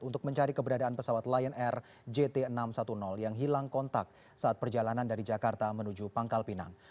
untuk mencari keberadaan pesawat lion air jt enam ratus sepuluh yang hilang kontak saat perjalanan dari jakarta menuju pangkal pinang